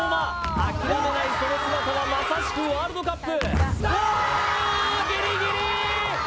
諦めないその姿は、まさしくワールドカップ。